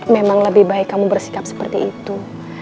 memang lebih baik kamu bersikap seperti itu